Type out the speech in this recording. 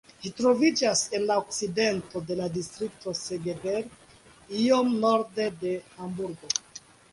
Ĝi troviĝas en la okcidento de la distrikto Segeberg, iom norde de Hamburgo.